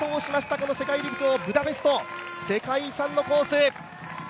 この世界陸上ブダペスト世界遺産のコース。